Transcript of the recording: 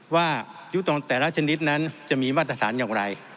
ว่ายุตรงแต่ละชนิดนั้นจะมีมาตรฐานอย่างไร